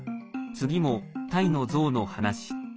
次も、タイの象の話。